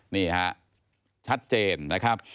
นี่ฮะชัดเจนนะครับ